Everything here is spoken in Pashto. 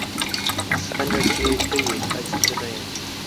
سنګه چې ته يي هسې زه نه يم